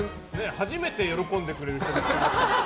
初めて喜んでくれる人だよ。